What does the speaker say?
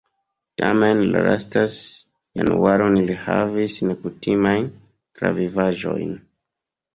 Tamen la lastan januaron li havis nekutimajn travivaĵojn.